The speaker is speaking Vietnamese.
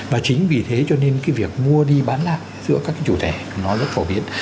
và chính vì thế cho nên cái việc mua đi bán lại giữa các cái chủ thẻ nó rất phổ biến